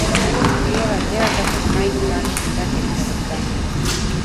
Ei ole teada, kas Nike plaanib midagi ette võtta.